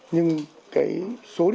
nhưng cái số điện thoại đấy